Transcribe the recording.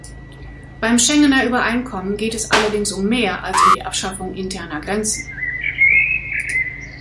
Beim Schengener Übereinkommen geht es allerdings um mehr als um die Abschaffung interner Grenzen.